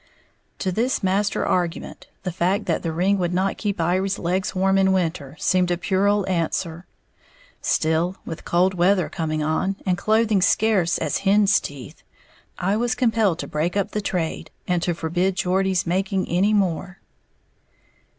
To this master argument, the fact that the ring would not keep Iry's legs warm in winter seemed a puerile answer; still, with cold weather coming on, and clothing scarce as hens' teeth, I was compelled to break up the trade, and to forbid Geordie's making any more.